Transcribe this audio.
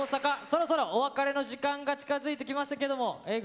そろそろお別れの時間が近づいてきましたけどもＡぇ！